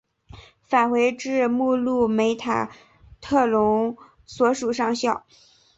返回至目录梅塔特隆所属上校。